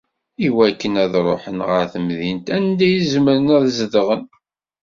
Iwakken ad ṛuḥen ɣer temdint anda i zemren ad zedɣen.